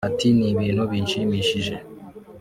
Ati “Ni bintu byanshimishije